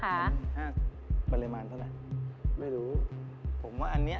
ปริมาณพราชเท่านั้นหรือยังไม่รู้ผมว่าอันเนี้ย